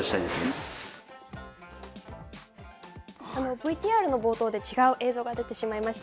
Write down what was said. ＶＴＲの冒頭で違う映像が出てしまいました。